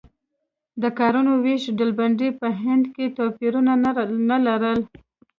د کارونو وېش ډلبندي په هند کې توپیرونه نه لرل.